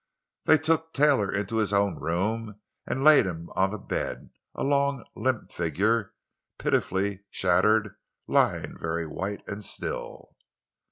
They took Taylor into his own room and laid him on the bed; a long, limp figure, pitifully shattered, lying very white and still.